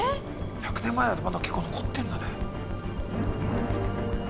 １００年前だとまだ結構残ってるんだね。